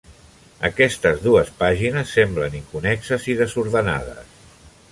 Aquestes dues pàgines semblen inconnexes i desordenades.